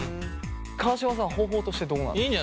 川島さん方法としてどうなんですか？